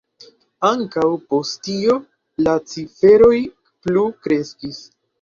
Ankaŭ post tio la ciferoj plu kreskis.